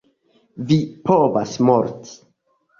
Vi povas morti.